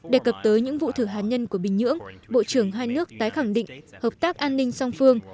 đề cập tới những vụ thử hạt nhân của bình nhưỡng bộ trưởng hai nước tái khẳng định hợp tác an ninh song phương